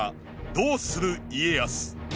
「どうする家康」。